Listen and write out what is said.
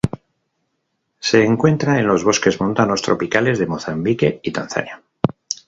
Se encuentra en los bosques montanos tropicales de Mozambique y Tanzania.